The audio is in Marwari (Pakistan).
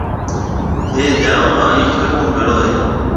ٿَي جاو هانَ ايشوَر ٿُون ڀيڙو هيَ۔